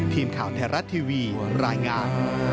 ทีมข่าวไทยรัฐทีวีรายงาน